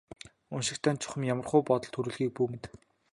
Уншигч танд чухам ямархуу бодол төрүүлэхийг бүү мэд.